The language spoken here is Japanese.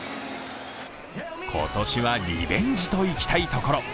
今年はリベンジといきたいところ。